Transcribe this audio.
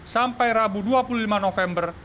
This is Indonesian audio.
sampai rabu dua puluh lima november